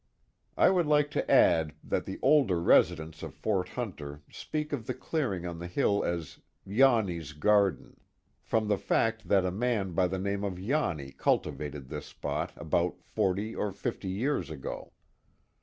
I would like to add that the older residents of Fort H unter speak of the clearing on the hill as " Yaunney's Garden," from the fact that a man by the name of Yaunney cultivated this spot about forty or fifty years ago.